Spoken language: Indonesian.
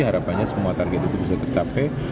harapannya semua target itu bisa tercapai